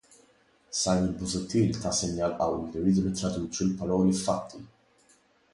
Simon Busuttil ta sinjal qawwi li rridu nittraduċu l-paroli f'fatti.